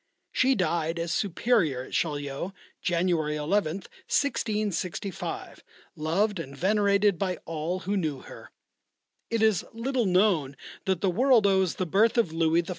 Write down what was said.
She died as Superior at Chaillot, January 11th, 1665, loved and venerated by all who knew her. It is little known that the world owes the birth of Louis XIV.